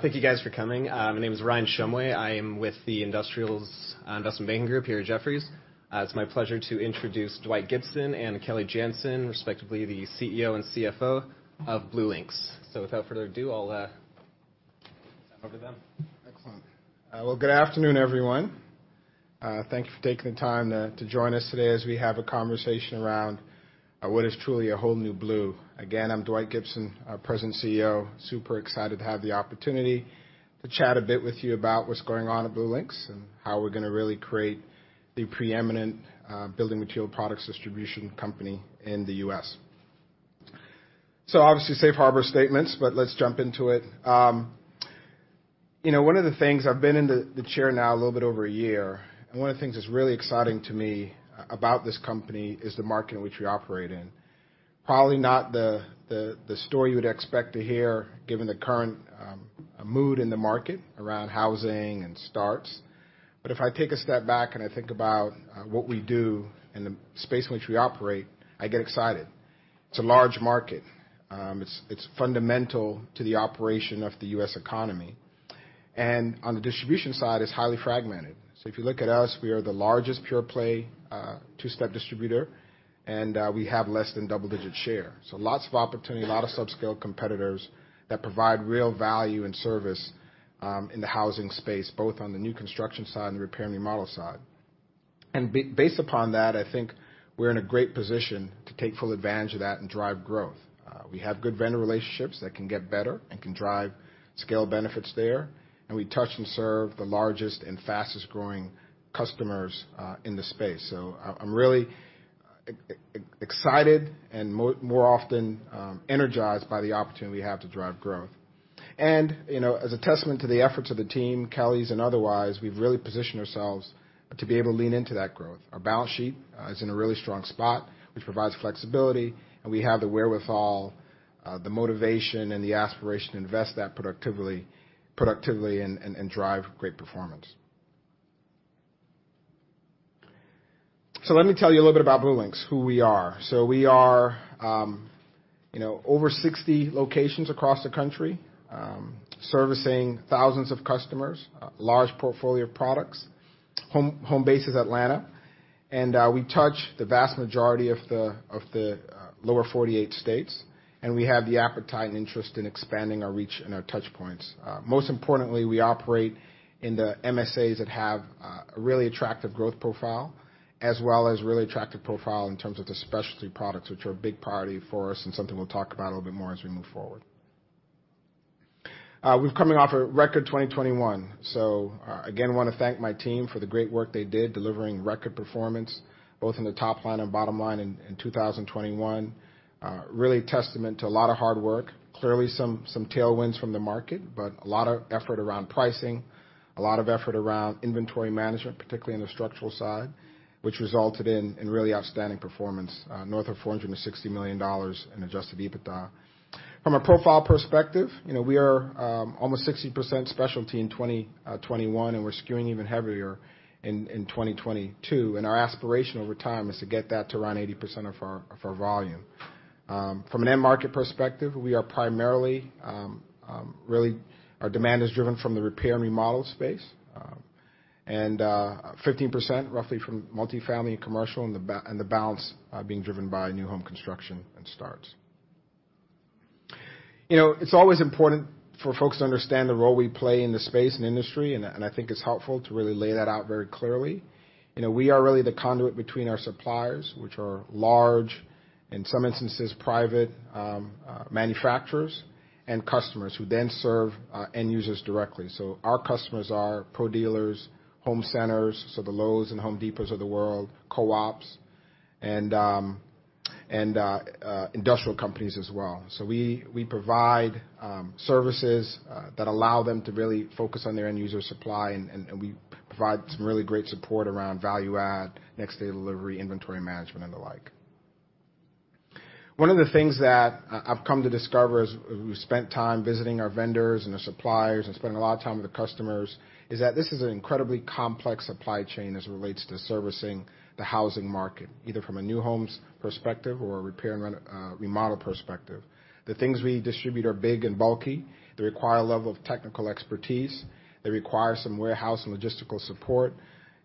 Thank you guys for coming. My name is Ryan Shumway. I am with the Industrials, Investment Banking group here at Jefferies. It's my pleasure to introduce Dwight Gibson and Kelly Janzen, respectively, the CEO and CFO of BlueLinx. Without further ado, I'll hand over to them. Excellent. Well, good afternoon, everyone. Thank you for taking the time to join us today as we have a conversation around what is truly a whole new Blue. Again, I'm Dwight Gibson, our President CEO. Super excited to have the opportunity to chat a bit with you about what's going on at BlueLinx and how we're gonna really create the preeminent building material products distribution company in the U.S. Obviously, safe harbor statements, but let's jump into it. You know, one of the things I've been in the chair now a little bit over a year, and one of the things that's really exciting to me about this company is the market in which we operate in. Probably not the story you would expect to hear given the current mood in the market around housing and starts. If I take a step back and I think about what we do and the space in which we operate, I get excited. It's a large market. It's fundamental to the operation of the U.S. economy. On the distribution side, it's highly fragmented. If you look at us, we are the largest pure play two-step distributor, and we have less than double-digit share. Lots of opportunity, a lot of sub-scale competitors that provide real value and service in the housing space, both on the new construction side and the repair and remodel side. Based upon that, I think we're in a great position to take full advantage of that and drive growth. We have good vendor relationships that can get better and can drive scale benefits there, and we touch and serve the largest and fastest-growing customers in the space. I'm really excited and more often energized by the opportunity we have to drive growth. You know, as a testament to the efforts of the team, Kelly's and otherwise, we've really positioned ourselves to be able to lean into that growth. Our balance sheet is in a really strong spot, which provides flexibility, and we have the wherewithal, the motivation and the aspiration to invest that productively and drive great performance. Let me tell you a little bit about BlueLinx, who we are. We are, you know, over 60 locations across the country, servicing thousands of customers, large portfolio of products. Home base is Atlanta. We touch the vast majority of the lower 48 states, and we have the appetite and interest in expanding our reach and our touch points. Most importantly, we operate in the MSAs that have a really attractive growth profile, as well as really attractive profile in terms of the specialty products, which are a big priority for us and something we'll talk about a little bit more as we move forward. We're coming off a record 2021. Again, wanna thank my team for the great work they did delivering record performance, both in the top line and bottom line in 2021. Really a testament to a lot of hard work. Clearly some tailwinds from the market, but a lot of effort around pricing, a lot of effort around inventory management, particularly on the structural side, which resulted in really outstanding performance north of $460 million in adjusted EBITDA. From a profile perspective, you know, we are almost 60% specialty in 2021, and we're skewing even heavier in 2022, and our aspiration over time is to get that to around 80% of our volume. From an end market perspective, we are primarily. Really, our demand is driven from the repair and remodel space, and 15% roughly from multifamily and commercial and the balance being driven by new home construction and starts. You know, it's always important for folks to understand the role we play in the space and industry, and I think it's helpful to really lay that out very clearly. You know, we are really the conduit between our suppliers, which are large, in some instances, private, manufacturers and customers who then serve end users directly. Our customers are pro-dealers, home centers, so the Lowe's and Home Depot of the world, co-ops and industrial companies as well. We provide services that allow them to really focus on their end user supply, and we provide some really great support around value add, next day delivery, inventory management and the like. One of the things that I've come to discover as we've spent time visiting our vendors and our suppliers and spending a lot of time with the customers is that this is an incredibly complex supply chain as it relates to servicing the housing market, either from a new homes perspective or a repair and remodel perspective. The things we distribute are big and bulky. They require a level of technical expertise. They require some warehouse and logistical support,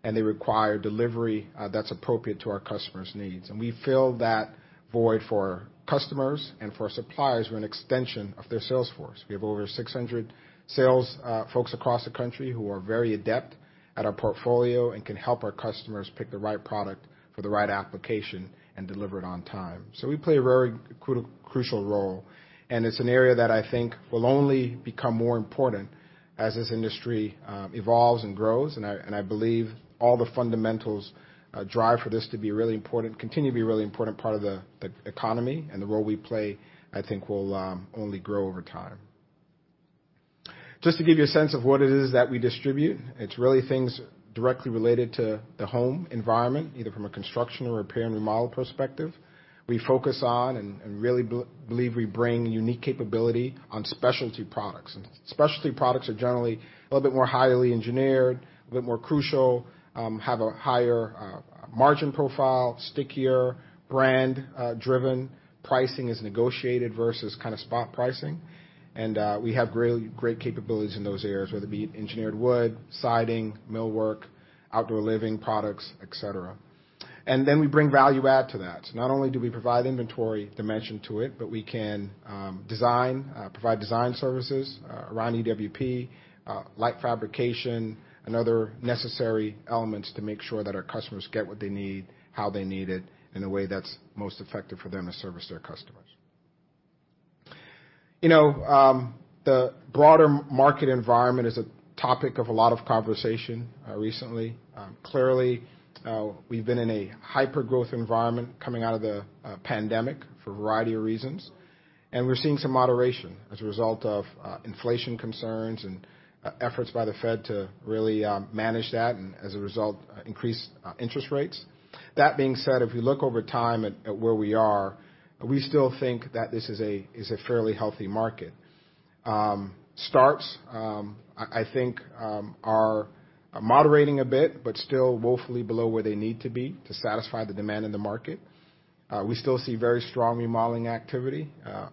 and they require delivery that's appropriate to our customers' needs. We fill that void for customers and for suppliers. We're an extension of their sales force. We have over 600 sales folks across the country who are very adept at our portfolio and can help our customers pick the right product for the right application and deliver it on time. We play a very crucial role, and it's an area that I think will only become more important as this industry evolves and grows. I believe all the fundamentals drive for this to be really important, continue to be a really important part of the economy and the role we play, I think, will only grow over time. Just to give you a sense of what it is that we distribute, it's really things directly related to the home environment, either from a construction or repair and remodel perspective. We focus on and really believe we bring unique capability on specialty products. Specialty products are generally a little bit more highly engineered, a bit more crucial, have a higher margin profile, stickier, brand driven. Pricing is negotiated versus kinda spot pricing. We have really great capabilities in those areas, whether it be engineered wood, siding, millwork, outdoor living products, et cetera. We bring value add to that. Not only do we provide inventory dimension to it, but we can design, provide design services around EWP, light fabrication, and other necessary elements to make sure that our customers get what they need, how they need it in a way that's most effective for them to service their customers. You know, the broader market environment is a topic of a lot of conversation recently. Clearly, we've been in a hyper-growth environment coming out of the pandemic for a variety of reasons, and we're seeing some moderation as a result of inflation concerns and efforts by the Fed to really manage that and as a result, increased interest rates. That being said, if you look over time at where we are, we still think that this is a fairly healthy market. Stats, I think, are moderating a bit, but still woefully below where they need to be to satisfy the demand in the market. We still see very strong remodeling activity.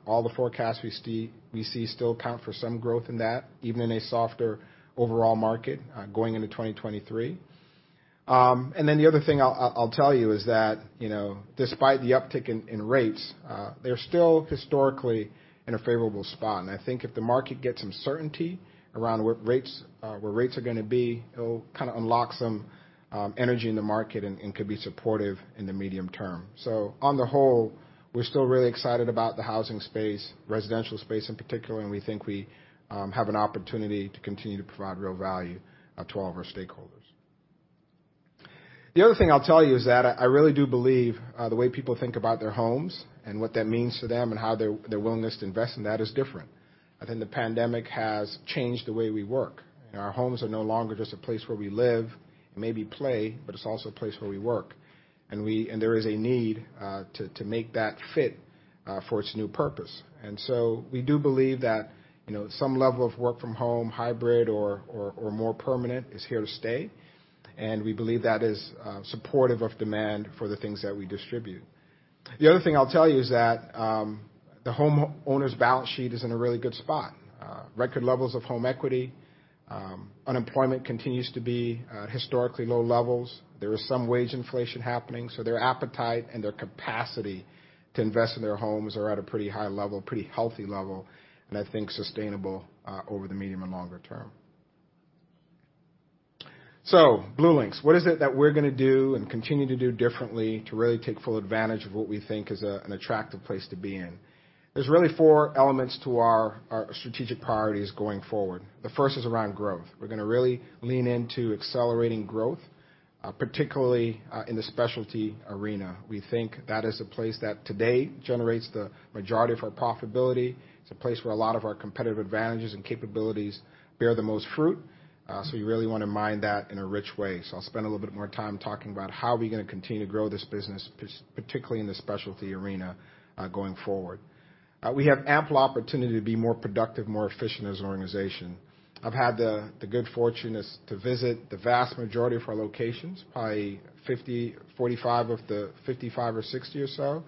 All the forecasts we see still account for some growth in that, even in a softer overall market going into 2023. The other thing I'll tell you is that, you know, despite the uptick in rates, they're still historically in a favorable spot. I think if the market gets some certainty around where rates are gonna be, it'll kinda unlock some energy in the market and could be supportive in the medium term. On the whole, we're still really excited about the housing space, residential space in particular, and we think we have an opportunity to continue to provide real value to all of our stakeholders. The other thing I'll tell you is that I really do believe the way people think about their homes and what that means to them and how their willingness to invest in that is different. I think the pandemic has changed the way we work. Our homes are no longer just a place where we live and maybe play, but it's also a place where we work. There is a need to make that fit for its new purpose. We do believe that, you know, some level of work from home, hybrid or more permanent is here to stay, and we believe that is supportive of demand for the things that we distribute. The other thing I'll tell you is that the homeowner's balance sheet is in a really good spot. Record levels of home equity. Unemployment continues to be at historically low-levels. There is some wage inflation happening, so their appetite and their capacity to invest in their homes are at a pretty high-level, pretty healthy level, and I think sustainable over the medium and longer term. BlueLinx, what is it that we're gonna do and continue to do differently to really take full advantage of what we think is an attractive place to be in? There's really four elements to our strategic priorities going forward. The first is around growth. We're gonna really lean into accelerating growth, particularly in the specialty arena. We think that is a place that today generates the majority of our profitability. It's a place where a lot of our competitive advantages and capabilities bear the most fruit. We really wanna mine that in a rich way. I'll spend a little bit more time talking about how we're gonna continue to grow this business, particularly in the specialty arena, going forward. We have ample opportunity to be more productive, more efficient as an organization. I've had the good fortune to visit the vast majority of our locations, probably 45 of the 55 or 60 or so,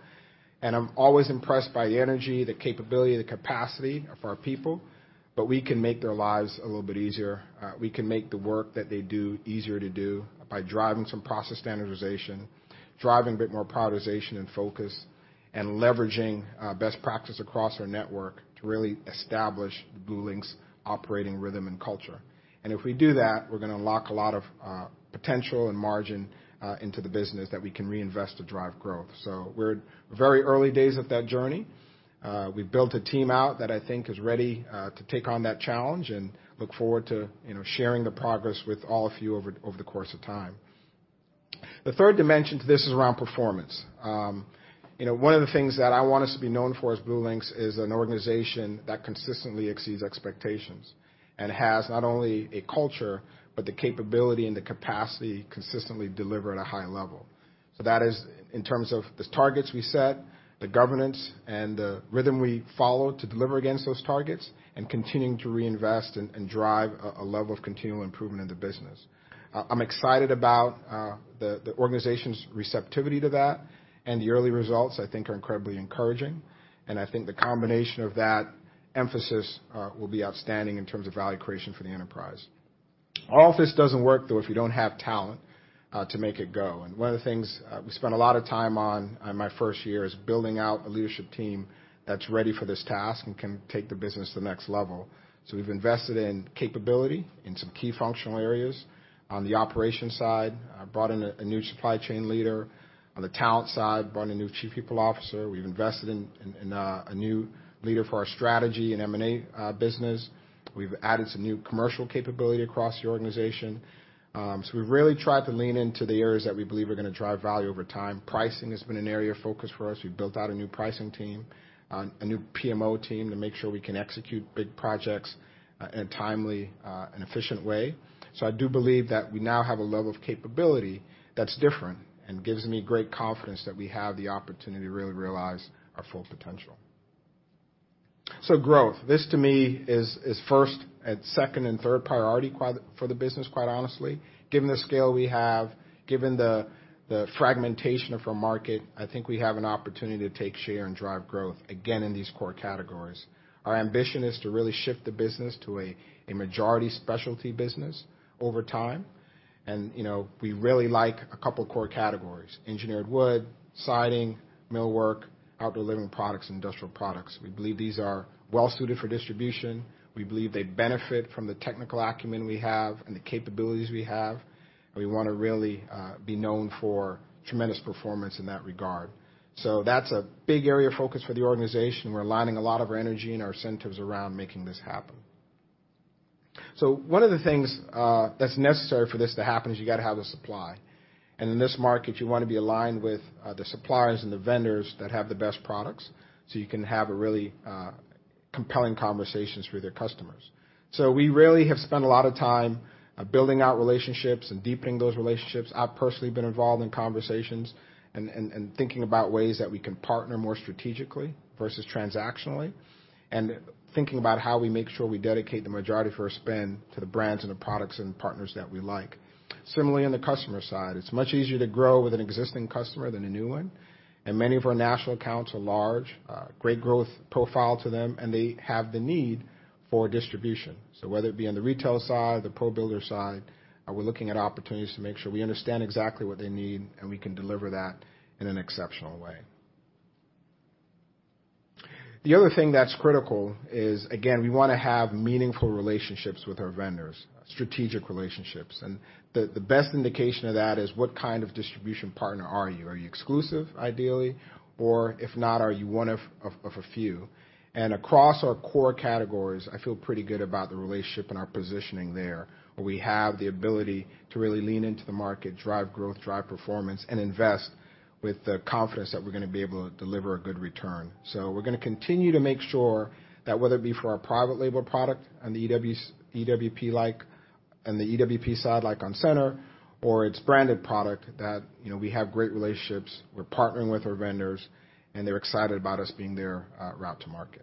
and I'm always impressed by the energy, the capability, the capacity of our people, but we can make their lives a little bit easier. We can make the work that they do easier to do by driving some process standardization, driving a bit more prioritization and focus, and leveraging best practice across our network to really establish BlueLinx operating rhythm and culture. If we do that, we're gonna unlock a lot of potential and margin into the business that we can reinvest to drive growth. We're very early days of that journey. We've built a team out that I think is ready to take on that challenge and look forward to, you know, sharing the progress with all of you over the course of time. The third dimension to this is around performance. You know, one of the things that I want us to be known for as BlueLinx is an organization that consistently exceeds expectations and has not only a culture, but the capability and the capacity to consistently deliver at a high level. That is in terms of the targets we set, the governance, and the rhythm we follow to deliver against those targets, and continuing to reinvest and drive a level of continual improvement in the business. I'm excited about the organization's receptivity to that, and the early results I think are incredibly encouraging, and I think the combination of that emphasis will be outstanding in terms of value creation for the enterprise. All of this doesn't work though if you don't have talent to make it go. One of the things we spent a lot of time on in my first year is building out a leadership team that's ready for this task and can take the business to the next level. We've invested in capability in some key functional areas. On the operations side, brought in a new supply chain leader. On the talent side, brought in a new chief people officer. We've invested in a new leader for our strategy and M&A business. We've added some new commercial capability across the organization. We've really tried to lean into the areas that we believe are gonna drive value over time. Pricing has been an area of focus for us. We've built out a new pricing team, a new PMO team to make sure we can execute big projects in a timely and efficient way. I do believe that we now have a level of capability that's different and gives me great confidence that we have the opportunity to really realize our full potential. Growth, this to me is first and second and third priority for the business, quite honestly. Given the scale we have, given the fragmentation of our market, I think we have an opportunity to take share and drive growth again in these core categories. Our ambition is to really shift the business to a majority specialty business over time. You know, we really like a couple core categories, engineered wood, siding, millwork, outdoor living products, and industrial products. We believe these are well-suited for distribution. We believe they benefit from the technical acumen we have and the capabilities we have. We wanna really be known for tremendous performance in that regard. That's a big area of focus for the organization. We're aligning a lot of our energy and our incentives around making this happen. One of the things that's necessary for this to happen is you gotta have the supply. In this market, you wanna be aligned with the suppliers and the vendors that have the best products, so you can have a really compelling conversations for their customers. We really have spent a lot of time building out relationships and deepening those relationships. I've personally been involved in conversations and thinking about ways that we can partner more strategically versus transactionally, and thinking about how we make sure we dedicate the majority of our spend to the brands and the products and partners that we like. Similarly, on the customer side, it's much easier to grow with an existing customer than a new one, and many of our national accounts are large, great growth profile to them, and they have the need for distribution. So whether it be on the retail side, the pro builder side, we're looking at opportunities to make sure we understand exactly what they need, and we can deliver that in an exceptional way. The other thing that's critical is, again, we wanna have meaningful relationships with our vendors, strategic relationships. The best indication of that is what kind of distribution partner are you? Are you exclusive, ideally? Or if not, are you one of a few? Across our core categories, I feel pretty good about the relationship and our positioning there, where we have the ability to really lean into the market, drive growth, drive performance, and invest with the confidence that we're gonna be able to deliver a good return. We're gonna continue to make sure that whether it be for our private label product on the EWP side, like onCENTER, or it's branded product that, you know, we have great relationships, we're partnering with our vendors, and they're excited about us being their route to market.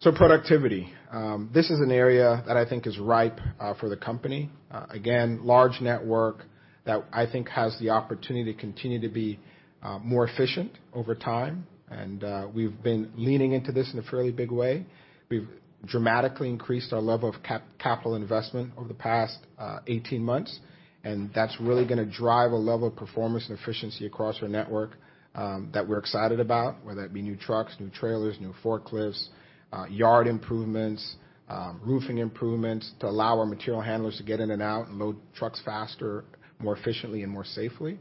Productivity. This is an area that I think is ripe for the company. Again, large network that I think has the opportunity to continue to be more efficient over time. We've been leaning into this in a fairly big way. We've dramatically increased our level of capital investment over the past 18 months, and that's really gonna drive a level of performance and efficiency across our network, that we're excited about, whether that be new trucks, new trailers, new forklifts, yard improvements, roofing improvements to allow our material handlers to get in and out and load trucks faster, more efficiently, and more safely.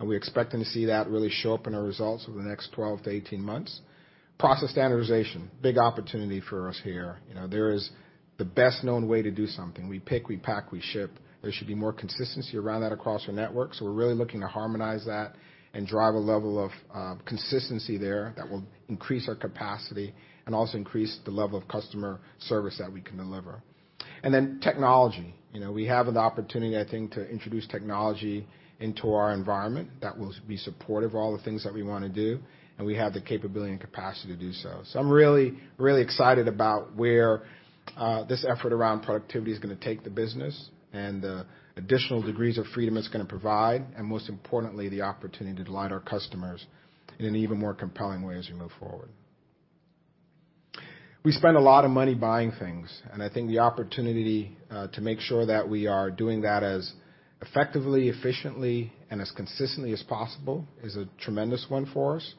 We're expecting to see that really show up in our results over the next 12-18 months. Process standardization, big opportunity for us here. You know, there is the best-known way to do something. We pick, we pack, we ship. There should be more consistency around that across our network, so we're really looking to harmonize that and drive a level of consistency there that will increase our capacity and also increase the level of customer service that we can deliver. Technology. You know, we have an opportunity, I think, to introduce technology into our environment that will be supportive of all the things that we wanna do, and we have the capability and capacity to do so. I'm really, really excited about where this effort around productivity is gonna take the business and the additional degrees of freedom it's gonna provide, and most importantly, the opportunity to delight our customers in an even more compelling way as we move forward. We spend a lot of money buying things, and I think the opportunity to make sure that we are doing that as effectively, efficiently, and as consistently as possible is a tremendous win for us.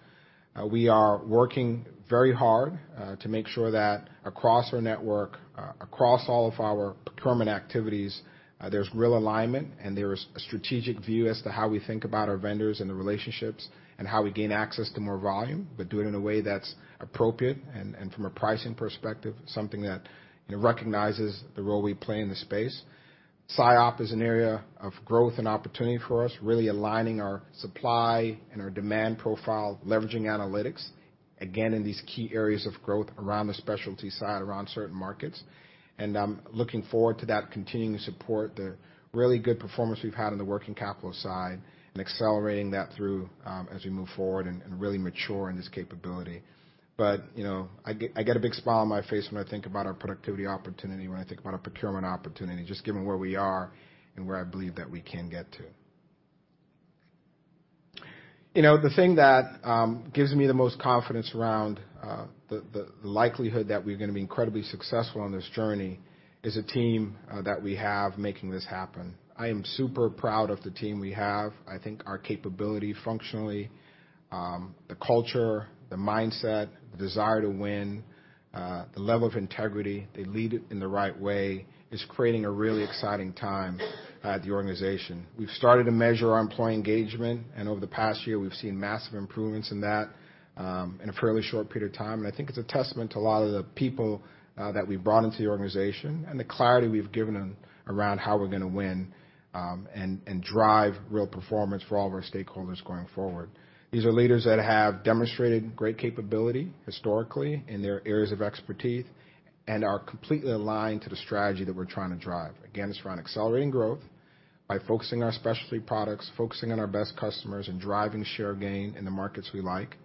We are working very hard to make sure that across our network, across all of our procurement activities, there's real alignment, and there is a strategic view as to how we think about our vendors and the relationships and how we gain access to more volume, but do it in a way that's appropriate and from a pricing perspective, something that, you know, recognizes the role we play in the space. S&OP is an area of growth and opportunity for us, really aligning our supply and our demand profile, leveraging analytics, again, in these key areas of growth around the specialty side, around certain markets. I'm looking forward to that continuing to support the really good performance we've had on the working capital side and accelerating that through, as we move forward and really mature in this capability. You know, I get a big smile on my face when I think about our productivity opportunity, when I think about our procurement opportunity, just given where we are and where I believe that we can get to. You know, the thing that gives me the most confidence around the likelihood that we're gonna be incredibly successful on this journey is the team that we have making this happen. I am super proud of the team we have. I think our capability functionally, the culture, the mindset, the desire to win, the level of integrity, they lead it in the right way, is creating a really exciting time at the organization. We've started to measure our employee engagement, and over the past year, we've seen massive improvements in that, in a fairly short period of time. I think it's a testament to a lot of the people, that we've brought into the organization and the clarity we've given them around how we're gonna win, and drive real performance for all of our stakeholders going forward. These are leaders that have demonstrated great capability historically in their areas of expertise and are completely aligned to the strategy that we're trying to drive. Again, it's around accelerating growth by focusing our specialty products, focusing on our best customers, and driving share gain in the markets we like.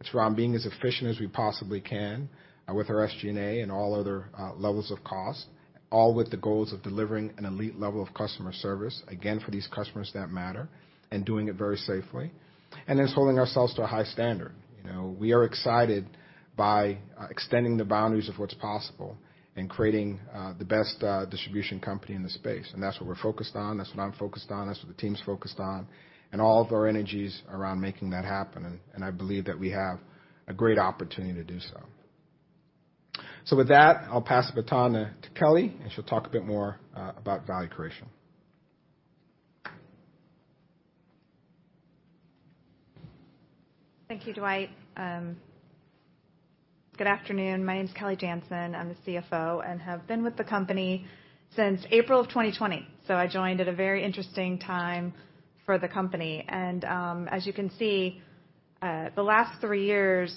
It's around being as efficient as we possibly can with our SG&A and all other levels of cost. All with the goals of delivering an elite level of customer service, again, for these customers that matter and doing it very safely, and then holding ourselves to a high standard. You know, we are excited by extending the boundaries of what's possible and creating the best distribution company in the space. That's what we're focused on, that's what I'm focused on, that's what the team's focused on, and all of our energies around making that happen. I believe that we have a great opportunity to do so. With that, I'll pass it on to Kelly, and she'll talk a bit more about value creation. Thank you, Dwight. Good afternoon. My name is Kelly Janzen. I'm the CFO and have been with the company since April of 2020. I joined at a very interesting time for the company. As you can see, the last three years,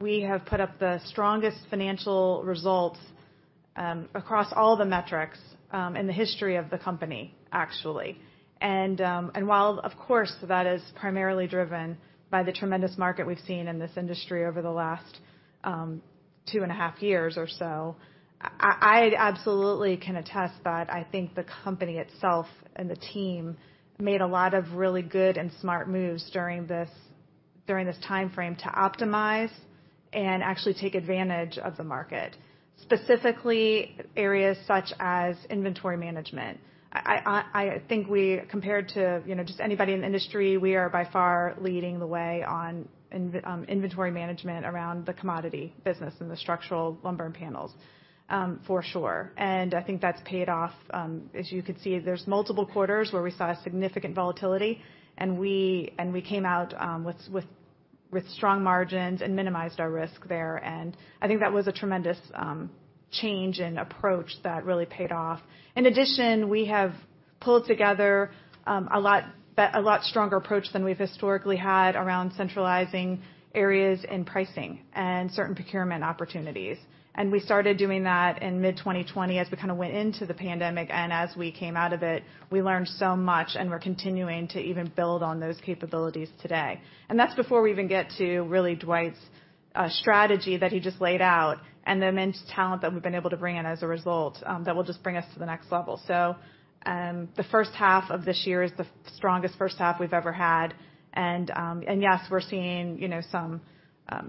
we have put up the strongest financial results across all the metrics in the history of the company, actually. While, of course, that is primarily driven by the tremendous market we've seen in this industry over the last two and a half years or so, I absolutely can attest that I think the company itself and the team made a lot of really good and smart moves during this timeframe to optimize and actually take advantage of the market, specifically areas such as inventory management. I think we compared to, you know, just anybody in the industry, we are by far leading the way on inventory management around the commodity business and the structural lumber and panels, for sure. I think that's paid off, as you can see, there's multiple quarters where we saw significant volatility, and we came out with strong margins and minimized our risk there. I think that was a tremendous change in approach that really paid off. In addition, we have pulled together a lot stronger approach than we've historically had around centralizing areas in pricing and certain procurement opportunities. We started doing that in mid-2020 as we kinda went into the pandemic. As we came out of it, we learned so much, and we're continuing to even build on those capabilities today. That's before we even get to really Dwight's strategy that he just laid out and the immense talent that we've been able to bring in as a result that will just bring us to the next level. The first half of this year is the strongest first half we've ever had. We're seeing, you know,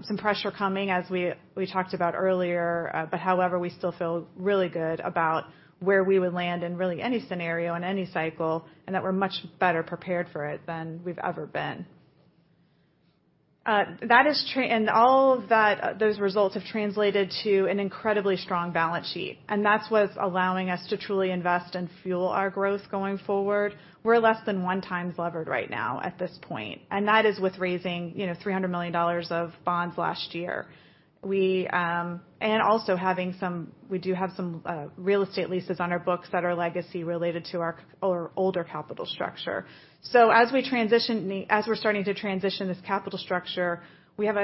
some pressure coming as we talked about earlier. However, we still feel really good about where we would land in really any scenario in any cycle, and that we're much better prepared for it than we've ever been. Those results have translated to an incredibly strong balance sheet, and that's what's allowing us to truly invest and fuel our growth going forward. We're less than 1x levered right now at this point, and that is with raising, you know, $300 million of bonds last year. We do have some real estate leases on our books that are legacy related to our older capital structure. As we're starting to transition this capital structure, we have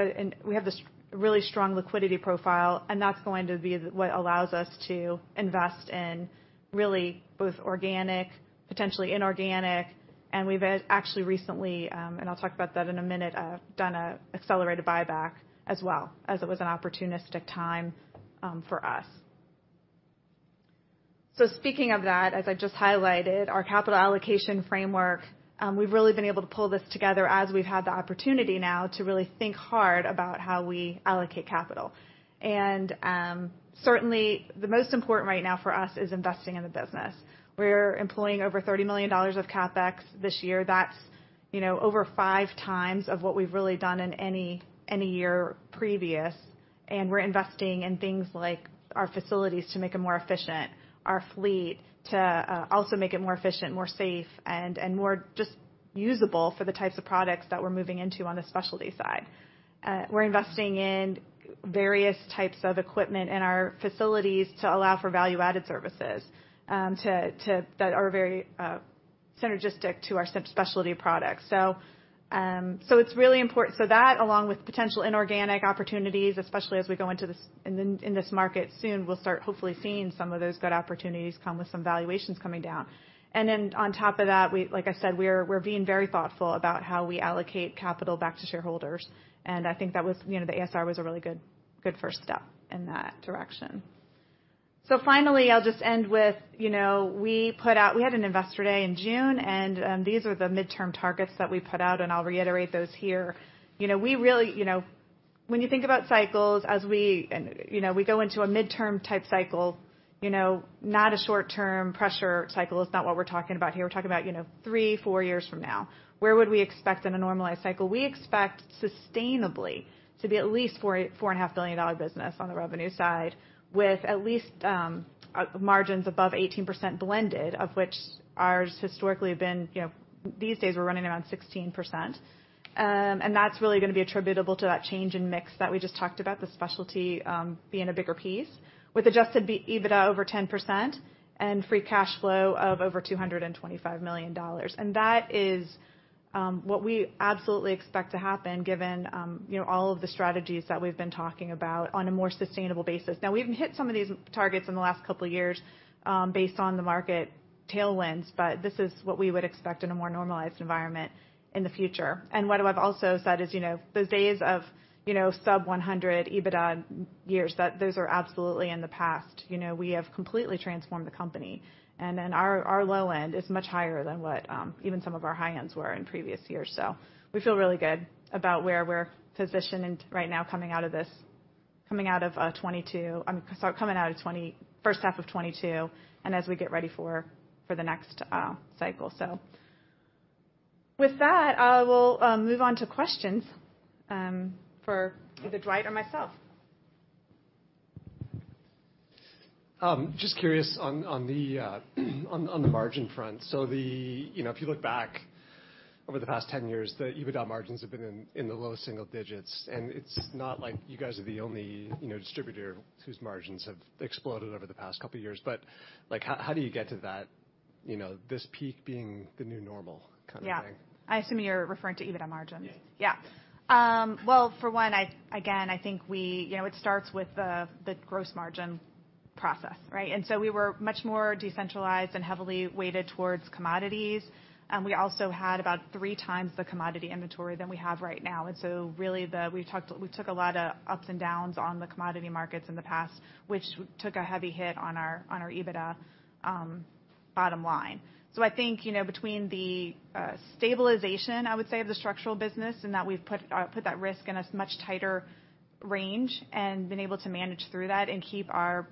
this really strong liquidity profile, and that's what allows us to invest in really both organic, potentially inorganic. We've actually recently, and I'll talk about that in a minute, done an accelerated buyback as well, as it was an opportunistic time, for us. Speaking of that, as I just highlighted, our capital allocation framework, we've really been able to pull this together as we've had the opportunity now to really think hard about how we allocate capital. Certainly the most important right now for us is investing in the business. We're employing over $30 million of CapEx this year. That's, you know, over 5x of what we've really done in any year previous. We're investing in things like our facilities to make them more efficient, our fleet to also make it more efficient, more safe, and more just usable for the types of products that we're moving into on the specialty side. We're investing in various types of equipment in our facilities to allow for value-added services that are very synergistic to our specialty products. It's really important. That, along with potential inorganic opportunities, especially as we go into this market soon, we'll start hopefully seeing some of those good opportunities come with some valuations coming down. On top of that, like I said, we're being very thoughtful about how we allocate capital back to shareholders. I think that, you know, the ASR was a really good first step in that direction. Finally, I'll just end with, you know, we put out. We had an Investor Day in June, and these are the midterm targets that we put out, and I'll reiterate those here. You know, we really... You know, when you think about cycles. You know, we go into a midterm-type cycle, you know, not a short-term pressure cycle. It's not what we're talking about here. We're talking about, you know, three, four years from now. Where would we expect in a normalized cycle? We expect sustainably to be at least $4 billion-$4.5 billion business on the revenue side, with at least margins above 18% blended, of which ours historically have been, you know, these days, we're running around 16%. That's really gonna be attributable to that change in mix that we just talked about, the specialty being a bigger piece, with adjusted EBITDA over 10% and free cash flow of over $225 million. That is what we absolutely expect to happen, given you know, all of the strategies that we've been talking about on a more sustainable basis. Now, we even hit some of these targets in the last couple years, based on the market tailwinds, but this is what we would expect in a more normalized environment in the future. What I've also said is, you know, those days of, you know, sub 100 EBITDA years, that those are absolutely in the past. You know, we have completely transformed the company, and then our low end is much higher than what, even some of our high ends were in previous years. We feel really good about where we're positioned right now coming out of 2022. Coming out of first half of 2022 and as we get ready for the next cycle. With that, we'll move on to questions for either Dwight or myself. Just curious on the margin front. If you look back over the past 10 years, the EBITDA margins have been in the low single digits, and it's not like you guys are the only distributor whose margins have exploded over the past couple of years. Like, how do you get to that, you know, this peak being the new normal kind of thing? Yeah. I assume you're referring to EBITDA margins. Yeah. Yeah. Well, for one, again, I think you know, it starts with the gross margin process, right? We were much more decentralized and heavily weighted towards commodities. We also had about three times the commodity inventory than we have right now. Really we took a lot of ups and downs on the commodity markets in the past, which took a heavy hit on our EBITDA bottom line. I think, you know, between the stabilization, I would say, of the structural business, and that we've put that risk in a much tighter range and been able to manage through that and keep our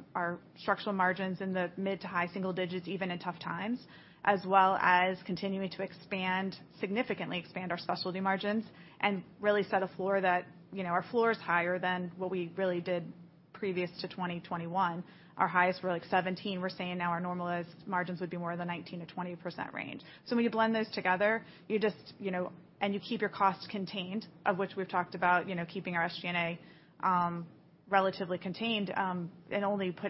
structural margins in the mid to high single digits, even in tough times, as well as continuing to expand, significantly expand our specialty margins and really set a floor that, you know, our floor is higher than what we really did previous to 2021. Our highest were like 17%. We're saying now our normalized margins would be more than 19%-20% range. When you blend those together, you just, you know, and you keep your costs contained, of which we've talked about, you know, keeping our SG&A relatively contained, and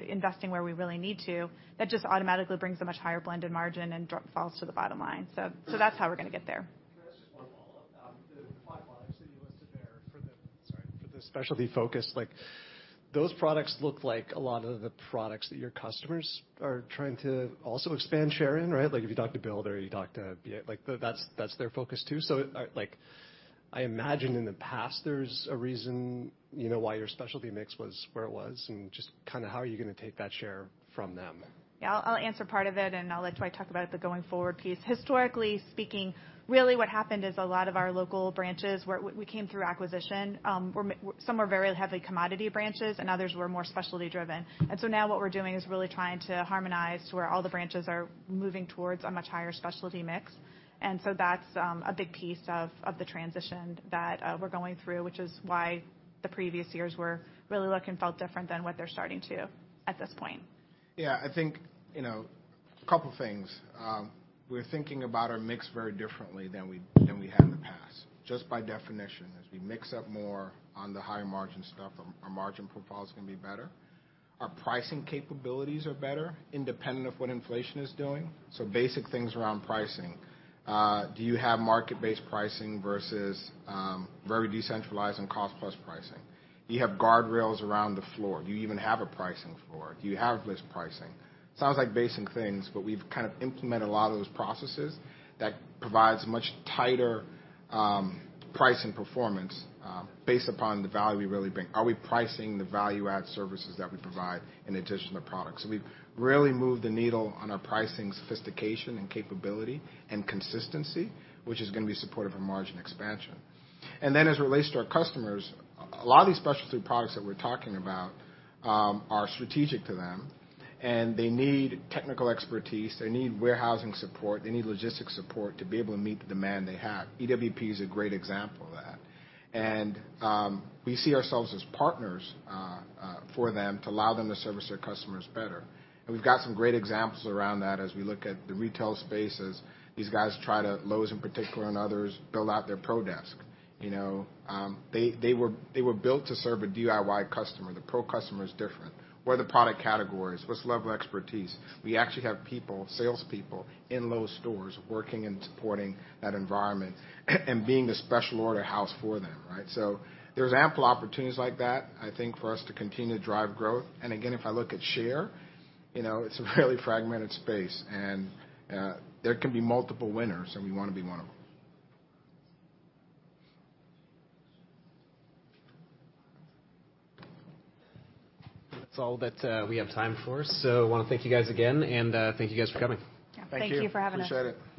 investing where we really need to, that just automatically brings a much higher blended margin and drop through to the bottom line. That's how we're gonna get there. Can I ask just one follow-up? The five categories that you listed there for the specialty focus, like, those products look like a lot of the products that your customers are trying to also expand share in, right? Like, if you talk to Bill or you talk to BA, like, that's their focus too. I imagine in the past there's a reason, you know, why your specialty mix was where it was and just kinda how are you gonna take that share from them? Yeah. I'll answer part of it, and I'll let Dwight talk about the going forward piece. Historically speaking, really what happened is a lot of our local branches where we came through acquisition were. Some were very heavy commodity branches, and others were more specialty driven. Now what we're doing is really trying to harmonize to where all the branches are moving towards a much higher specialty mix. That's a big piece of the transition that we're going through, which is why the previous years really looked and felt different than what they're starting to at this point. Yeah. I think, you know, a couple things. We're thinking about our mix very differently than we had in the past. Just by definition, as we mix up more on the higher margin stuff, our margin profile is gonna be better. Our pricing capabilities are better independent of what inflation is doing. Basic things around pricing. Do you have market-based pricing versus very decentralized and cost-plus pricing? Do you have guardrails around the floor? Do you even have a pricing floor? Do you have list pricing? Sounds like basic things, but we've kind of implemented a lot of those processes that provides much tighter price and performance based upon the value we really bring. Are we pricing the value-add services that we provide in addition to products? We've really moved the needle on our pricing sophistication and capability and consistency, which is gonna be supportive of margin expansion. As it relates to our customers, a lot of these specialty products that we're talking about are strategic to them, and they need technical expertise. They need warehousing support. They need logistics support to be able to meet the demand they have. EWP is a great example of that. We see ourselves as partners for them to allow them to service their customers better. We've got some great examples around that as we look at the retail space as these guys try to Lowe's in particular and others build out their pro desk. You know, they were built to serve a DIY customer. The pro customer is different. Where are the product categories? What's the level of expertise? We actually have people, salespeople in Lowe's stores working and supporting that environment and being a special order house for them, right? There's ample opportunities like that, I think, for us to continue to drive growth. Again, if I look at share, you know, it's a really fragmented space, and there can be multiple winners, and we wanna be one of them. That's all that we have time for. I wanna thank you guys again, and thank you guys for coming. Yeah. Thank you for having us. Thank you. Appreciate it.